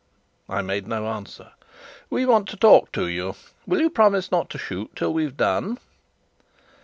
I made no answer. "We want to talk to you. Will you promise not to shoot till we've done?"